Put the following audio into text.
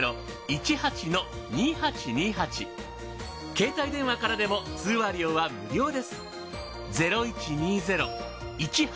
携帯電話からでも通話料は無料です。